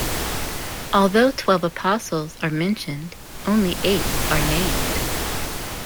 Although twelve apostles are mentioned, only eight are named.